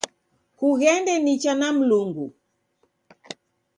Kughende nicha na Mlungu